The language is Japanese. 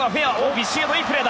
ビシエドのいいプレー。